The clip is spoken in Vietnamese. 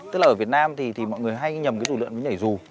tức là ở việt nam thì mọi người hay nhầm cái dụ lượng với nhảy dù